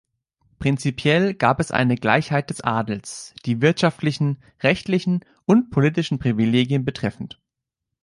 Prinzipiell gab es eine Gleichheit des Adels, die wirtschaftlichen, rechtlichen und politischen Privilegien betreffend.